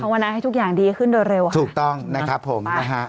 เขาวันนั้นให้ทุกอย่างดีขึ้นโดยเร็วค่ะไปไม่มีลงดาวไหมนะ